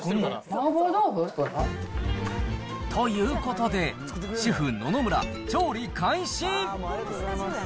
麻婆豆腐？ということで、主婦、野々村、調理開始。